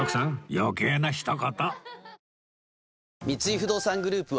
余計なひと言